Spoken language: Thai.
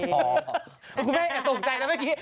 คุณแม่อย่าตกใจนะเมื่อกี้